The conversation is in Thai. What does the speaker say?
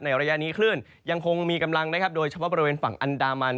ระยะนี้คลื่นยังคงมีกำลังนะครับโดยเฉพาะบริเวณฝั่งอันดามัน